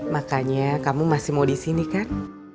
makanya kamu masih mau disini kan